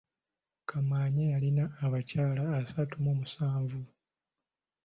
Kamaanya yalina abakyala asatu mu musanvu.